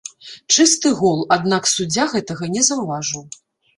Чысты гол, аднак суддзя гэтага не заўважыў.